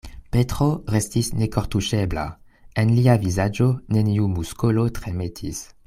Petro restis nekortuŝebla: en lia vizaĝo neniu muskolo tremetis.